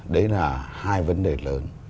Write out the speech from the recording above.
đấy là hai vấn đề lớn